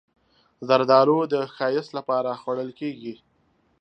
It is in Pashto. زردالو د ښایست لپاره خوړل کېږي.